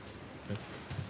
えっ？